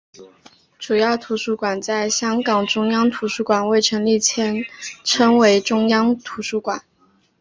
主要图书馆在香港中央图书馆未成立前称为中央图书馆。